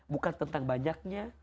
bukan tentang banyaknya